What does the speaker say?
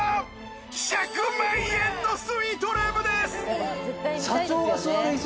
１００万円のスイートルームです！